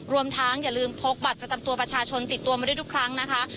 รวมทั้งอย่าลืมพกบัตรประจำตัวประชาชนติดตัวมาด้วยทุกครั้งนะคะ